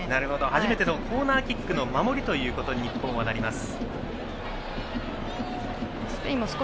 初めてのコーナーキックの守りと日本はなります。